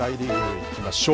いきましょう。